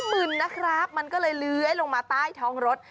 หมื่นนะครับมันก็เลยเลื้อยลงมาใต้ท้องรถ